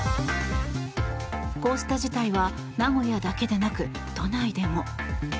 こうした事態は名古屋だけでなく都内でも。